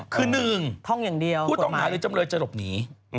คือหนึ่งผู้ต้องหาหรือจำเลยจะหลบหนี